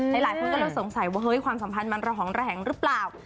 หลายคนก็จะสงสัยว่าความสัมพันธ์มันเหรอหลังหรือเปล่า